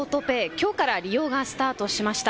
きょうから利用がスタートしました。